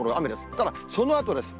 ただそのあとです。